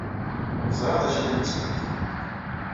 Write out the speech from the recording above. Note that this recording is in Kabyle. Ẓriɣ d acu ay la d-tettheyyim.